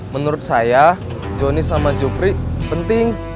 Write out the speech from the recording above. menurut saya jonny sama jopri penting